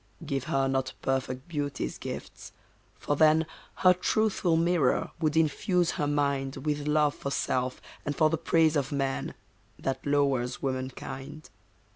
Give her not perfect beauty's gifts. For then Her truthful mirror would infuse her mind With love for self, and for the praise of men, That lowers woman kind.